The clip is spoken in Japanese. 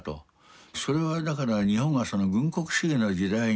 それはだから日本が軍国主義の時代にね入って